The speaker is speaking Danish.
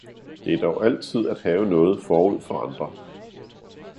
Det er dog altid at have noget forud for andre!